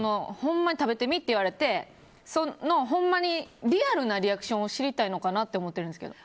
食べてみって言われてリアルなリアクションを知りたいのかなって思うんですけど。